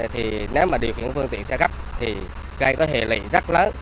thì nếu mà điều khiển phương tiện xe gấp thì gây có hệ lị rất lớn